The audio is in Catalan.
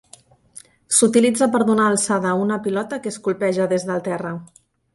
S'utilitza per donar alçada a una pilota que es colpeja des del terra.